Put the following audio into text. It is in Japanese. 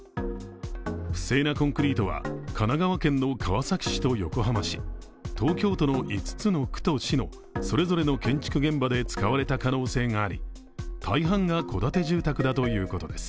不正なコンクリートは神奈川県の川崎市と横浜市、東京都の５つの区と市のそれぞれの建築現場で使われた可能性があり、大半が戸建て住宅だということです。